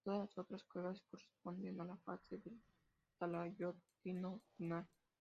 Todas las otras cuevas corresponden a la fase del talayótico final.